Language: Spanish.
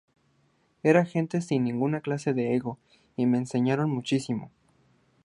Era gente sin ninguna clase de ego y me enseñaron muchísimo".